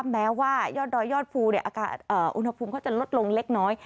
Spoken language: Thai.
แม้ว่ายอดดอยยอดภูอุณหภูมิเขาจะลดลงเล็กน้อย